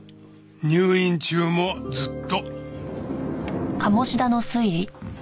入院中もずっと。